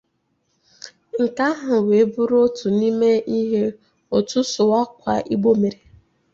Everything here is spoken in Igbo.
Nke ahụ wee bụrụ ótù n'ime ihe Otu Sụwakwa Igbo mere